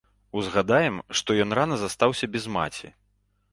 Узгадаем, што ён рана застаўся без маці.